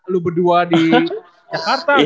lu berdua di jakarta